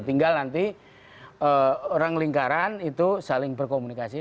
tinggal nanti orang lingkaran itu saling berkomunikasi